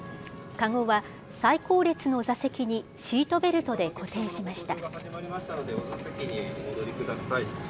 かごは最後列の座席にシートベルトで固定しました。